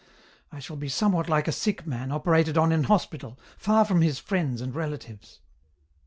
I shall be somewhat like a sick man operated on in hospital, far from his friends and relatives.